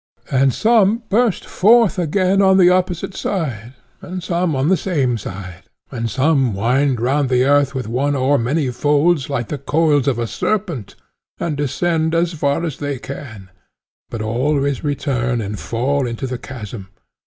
And some burst forth again on the opposite side, and some on the same side, and some wind round the earth with one or many folds like the coils of a serpent, and descend as far as they can, but always return and fall into the chasm.